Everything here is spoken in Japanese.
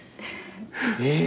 えっ！？